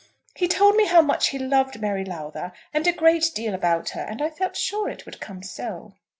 He told me how much he loved Mary Lowther, and a great deal about her, and I felt sure it would come so."